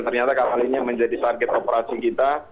ternyata kapal ini menjadi target operasi kita